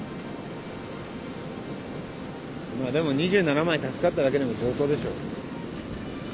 まあでも２７枚助かっただけでも上等でしょ。